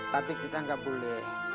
tapi kita gak boleh